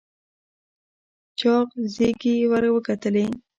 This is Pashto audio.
چاغ زيږې ور وکتلې.